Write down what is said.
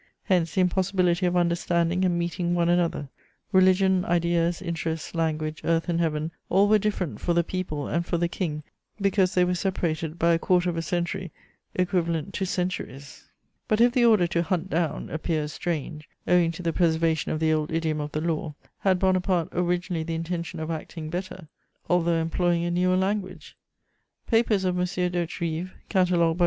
Hence the impossibility of understanding and meeting one another; religion, ideas, interests, language, earth and heaven, all were different for the people and for the King, because they were separated by a quarter of a century equivalent to centuries. But if the order "to hunt down" appears strange, owing to the preservation of the old idiom of the law, had Bonaparte originally the intention of acting better, although employing a newer language? Papers of M. d'Hauterive, catalogued by M.